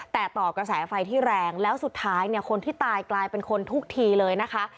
แต่ต่อกระแสไฟที่แรงแล้วสุดท้ายเนี่ยคนที่ตายกลายเป็นคนทุกทีเลยนะคะ